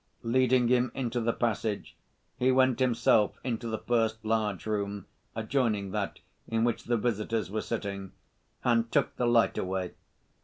Leading him into the passage, he went himself into the first large room, adjoining that in which the visitors were sitting, and took the light away.